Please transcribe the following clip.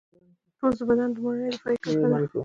پوست د بدن لومړنۍ دفاعي کرښه ده.